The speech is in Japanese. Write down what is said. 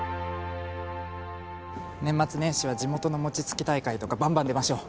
年末年始は地元の餅つき大会とかばんばん出ましょう。